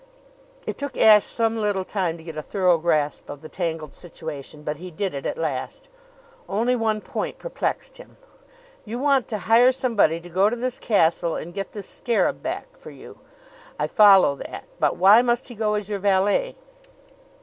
It took Ashe some little time to get a thorough grasp of the tangled situation; but he did it at last. Only one point perplexed him. "You want to hire somebody to go to this castle and get this scarab back for you. I follow that. But why must he go as your valet?"